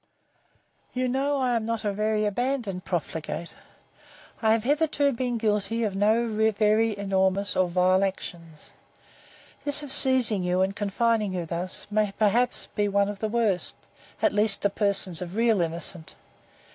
You know I am not a very abandoned profligate; I have hitherto been guilty of no very enormous or vile actions. This of seizing you, and confining you thus, may perhaps be one of the worst, at least to persons of real innocence.